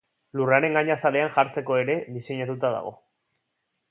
Lurraren gainazalean jartzeko ere diseinatuta dago.